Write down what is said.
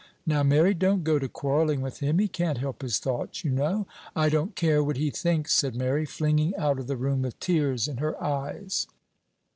"Now, Mary, don't go to quarrelling with him; he can't help his thoughts, you know." "I don't care what he thinks," said Mary, flinging out of the room with tears in her eyes.